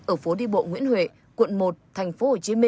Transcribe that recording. ở phố đi bộ nguyễn huệ quận một tp hcm